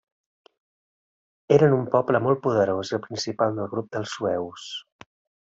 Eren un poble molt poderós i el principal del grup dels sueus.